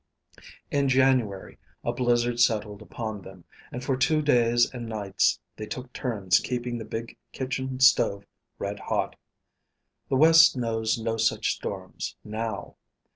In January, a blizzard settled upon them, and for two days and nights they took turns keeping the big kitchen stove red hot. The West knows no such storms, now.